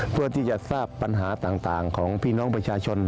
เพื่อที่จะทราบปัญหาต่างของพี่น้องประชาชน